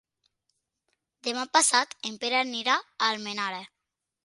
Demà passat en Pere anirà a Almenara.